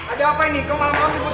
ada apa nih ke malam lo sibuk ribut